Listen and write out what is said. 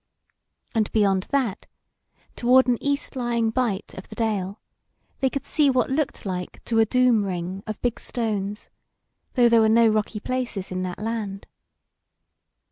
And beyond that, toward an eastward lying bight of the dale, they could see what looked like to a doom ring of big stones, though there were no rocky places in that land.